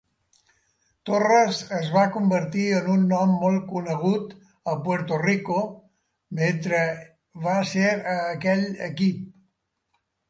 Torres es va convertir en un nom molt conegut a Puerto Rico metre va ser a aquell equip.